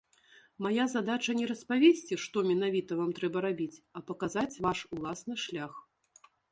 Мая задача не распавесці, што менавіта вам трэба рабіць, а паказаць ваш уласны шлях.